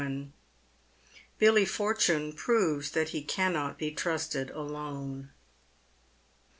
BILLY FORTUNE PROVES THAT HE CANNOT BE TRUSTED ALONE.